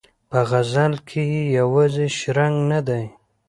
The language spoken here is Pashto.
په غزل کې یې یوازې شرنګ نه دی.